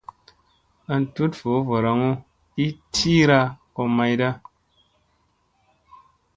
An tut voo varaŋu ii tiira ko mayda.